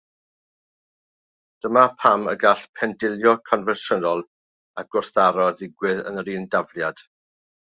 Dyna pam y gall pendilio confensiynol a gwrthdro ddigwydd yn yr un dafliad.